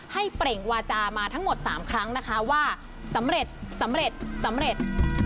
ให้เปร่งวาจามาทั้งหมดสามครั้งนะคะว่าสำเร็จสำเร็จสำเร็จ